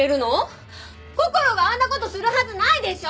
こころがあんな事するはずないでしょ！